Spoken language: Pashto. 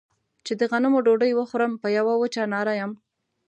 چې د غنمو ډوډۍ وخورم په يوه وچه ناره يم.